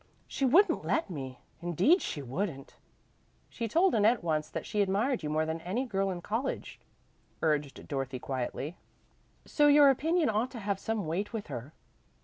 "She wouldn't let me indeed she wouldn't!" "She told Annette once that she admired you more than any girl in college," urged Dorothy quietly, "so your opinion ought to have some weight with her."